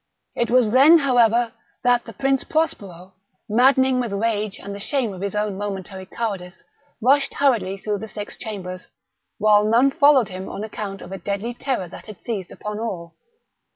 It was then, however, that the Prince Prospero, maddening with rage and the shame of his own momentary cowardice, rushed hurriedly through the six chambers, while none followed him on account of a deadly terror that had seized upon all.